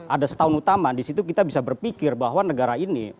ada setahun utama di situ kita bisa berpikir bahwa negara ini